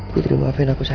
putri maafin aku sayang